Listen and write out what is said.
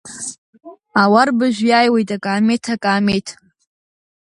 Ауарбажә иааиуеит акаамеҭ, акаамеҭ!